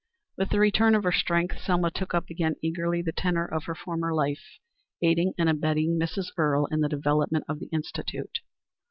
With the return of her strength, Selma took up again eagerly the tenor of her former life, aiding and abetting Mrs. Earle in the development of the Institute.